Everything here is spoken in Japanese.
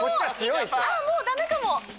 もうダメかも。